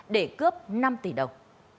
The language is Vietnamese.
để cướp năm tỷ đồng